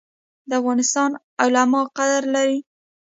د افغانستان علما قدر لري